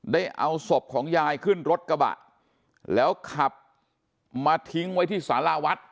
ได้เอาศพของยายขึ้นรถกระบะแล้วขับมาทิ้งไว้ที่สาราวัด